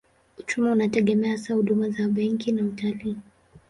Uchumi unategemea hasa huduma za benki na utalii.